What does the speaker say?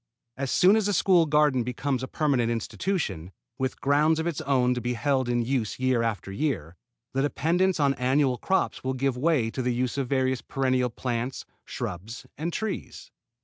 As soon as a school garden becomes a permanent institution, with ground of its own to be held in use year after year, the dependence on annual crops will give way to the use of various perennial plants, shrubs and trees.